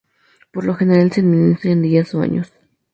Por lo general, se administra en días o años.